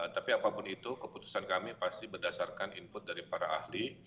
tapi apapun itu keputusan kami pasti berdasarkan input dari para ahli